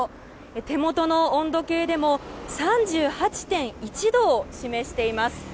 手元の温度計でも３８．１度を示しています。